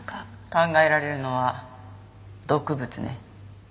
考えられるのは毒物ね。